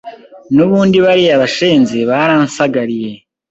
n'ubundi bariya bashenzi baransagariye